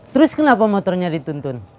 terus kenapa motornya dituntun